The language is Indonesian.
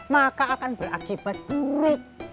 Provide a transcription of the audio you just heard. maka akan berakibat buruk